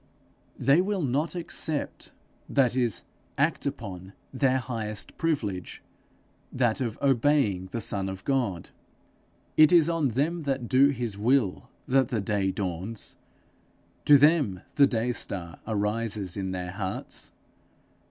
They will not accept, that is, act upon, their highest privilege, that of obeying the Son of God. It is on them that do his will, that the day dawns; to them the day star arises in their hearts.